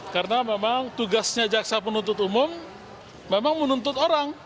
karena memang tugasnya jaksa penuntut umum memang menuntut orang